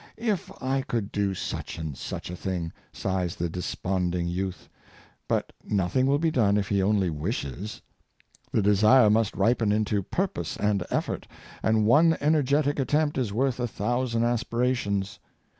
"^ I could do such and such a thing," sighs the desponding youth. But nothing will be done if he only wishes. The de sire must ripen into purpose and effort; and one ener getic attempt is worth a thousand aspirations.